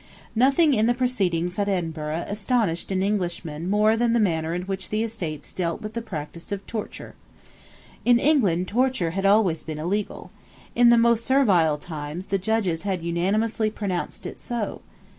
Nothing in the proceedings at Edinburgh astonishes an Englishman more than the manner in which the Estates dealt with the practice of torture. In England torture had always been illegal. In the most servile times the judges had unanimously pronounced it so.